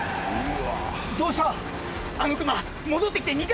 どうした？